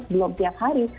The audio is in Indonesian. sebelum tiap hari